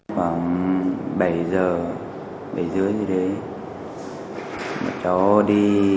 khoảng bảy giờ bảy giờ rưỡi gì đấy